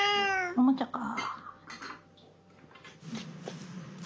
おもちゃか。